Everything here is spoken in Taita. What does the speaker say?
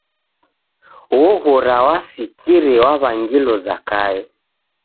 Oghora wasikire waw'angilo Zakayo.